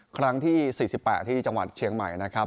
ครั้งที่๔๘ที่จังหวัดเชียงใหม่นะครับ